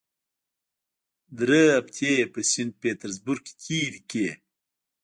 درې هفتې یې په سینټ پیټرزبورګ کې تېرې کړې.